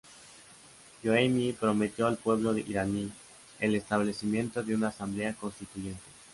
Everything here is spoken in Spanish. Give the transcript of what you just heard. Jomeini prometió al pueblo iraní, el establecimiento de una asamblea constituyente.